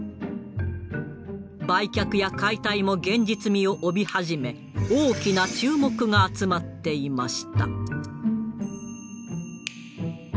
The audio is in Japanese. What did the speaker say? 売却や解体も現実味を帯び始め大きな注目が集まっていました。